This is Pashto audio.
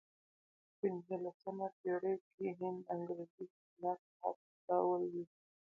په پنځلسمه پېړۍ کې هند انګرېزي ښکېلاک لاس ته ولوېد.